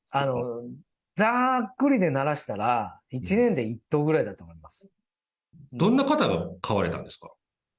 ざっくりでならしたら、どんな方が買われたんですか。